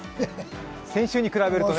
先週に比べるとね。